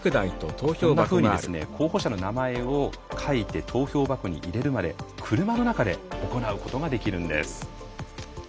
こんなふうに候補者の名前を書いて投票箱に入れるまで車の中で行うことができるんです。